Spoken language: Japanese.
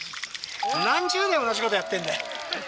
何十年同じことやってんだよ。